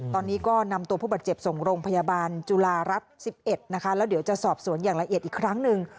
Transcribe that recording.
ตอนนี้ก็นำตัวผู้บาดเจ็บส่งโรงพยาบาลจุฬารัฐ๑๑นะคะแล้วเดี๋ยวจะสอบสวนอย่างละเอียดอีกครั้งหนึ่ง